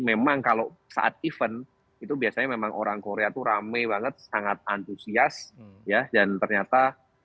memang kalau saat event itu biasanya memang orang korea tuh rame banget sangat antusias ya dan ternyata